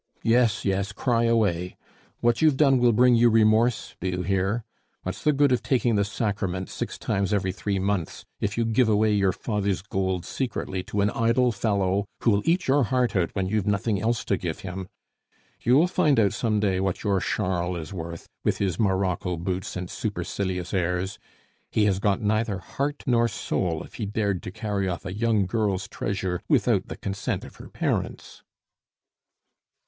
"Yes, yes, cry away! What you've done will bring you remorse, do you hear? What's the good of taking the sacrament six times every three months, if you give away your father's gold secretly to an idle fellow who'll eat your heart out when you've nothing else to give him? You'll find out some day what your Charles is worth, with his morocco boots and supercilious airs. He has got neither heart nor soul if he dared to carry off a young girl's treasure without the consent of her parents."